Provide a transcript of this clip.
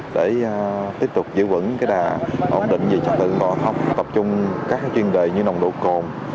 để tiếp tục giữ vững đà ổn định về trật tự bảo hộ tập trung các chuyên đề như nồng độ cồn